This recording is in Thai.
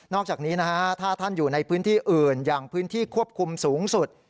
อกจากนี้นะฮะถ้าท่านอยู่ในพื้นที่อื่นอย่างพื้นที่ควบคุมสูงสุด